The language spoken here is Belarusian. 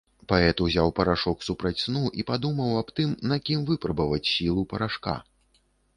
Паэт узяў парашок супраць сну і падумаў аб тым, на кім выпрабаваць сілу парашка.